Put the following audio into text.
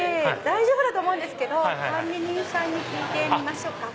大丈夫だと思うんですけど管理人さんに聞いてみましょうか。